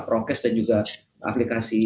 prokes dan juga aplikasi